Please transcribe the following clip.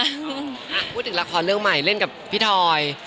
พูดถึงละครเรื่องใหม่เล่นกับพี่ทอย